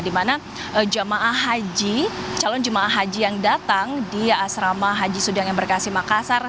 di mana jemaah haji calon jemaah haji yang datang di asrama haji sudang embarkasi makassar